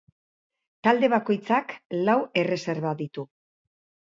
Talde bakoitzak lau erreserba ditu.